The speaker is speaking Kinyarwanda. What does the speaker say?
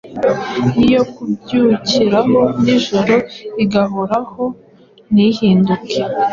n’iyo kubyukiraho n’ijoro igahoraho ntihinduke.